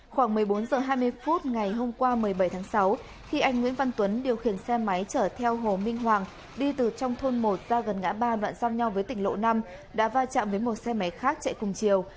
khoảng một mươi bốn h hai mươi phút ngày hôm qua một mươi bảy tháng sáu khi anh nguyễn văn tuấn điều khiển xe máy chở theo hồ minh hoàng đi từ trong thôn một ra gần ngã ba đoạn giao nhau với tỉnh lộ năm đã va chạm với một xe máy khác chạy cùng chiều